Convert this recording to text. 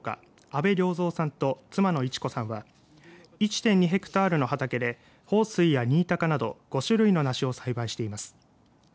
阿部良造さんと、妻の一子さんは１．２ヘクタールの畑で豊水や新高など５種類のナシを栽培しています。